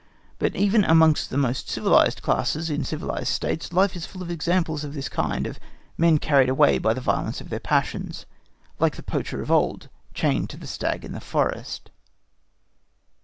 But even amongst the most civilised classes in civilised States, life is full of examples of this kind—of men carried away by the violence of their passions, like the poacher of old chained to the stag in the forest.